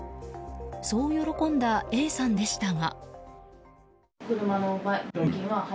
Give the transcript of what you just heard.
そう喜んだＡさんでしたが。